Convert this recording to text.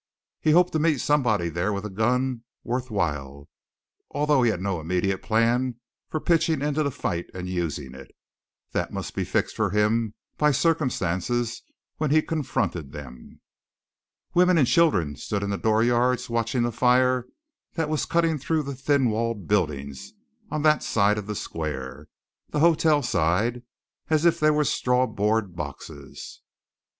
He hoped to meet somebody there with a gun worth while, although he had no immediate plan for pitching into the fight and using it. That must be fixed for him by circumstances when he confronted them. Women and children stood in the dooryards watching the fire that was cutting through the thin walled buildings on that side of the square the hotel side as if they were strawboard boxes.